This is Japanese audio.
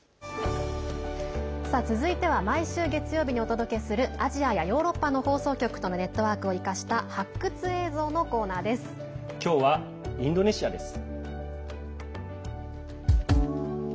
続いては毎週月曜日にお届けするアジアやヨーロッパの放送局とのネットワークを生かした今日はインドネシアです。